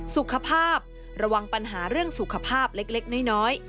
สุขภาพระวังปัญหาเรื่องสุขภาพเล็กน้อย